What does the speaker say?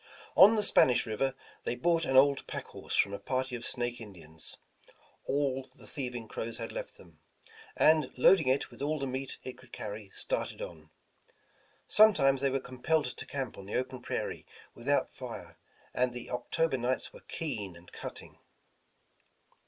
On the Spanish River, they bought an old pack horse from a party of Snake Indians, — all the thieving Crows 199 The Original John Jacob Astor had left them, — and loading it with all the meat it could carry, started on. Sometimes thej^ were compelled to camp on the open prairie without fire, and the October nights were keen and cutting.